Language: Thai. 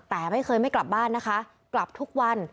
แต่ไม่เคยไม่กลับบ้านนะคะกลับทุกวัน